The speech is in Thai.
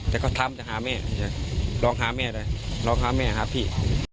แต่ก็ทำจะหาแม่ลองหาแม่เลยหาพี่